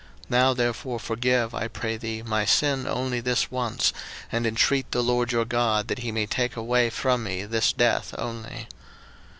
02:010:017 Now therefore forgive, I pray thee, my sin only this once, and intreat the LORD your God, that he may take away from me this death only.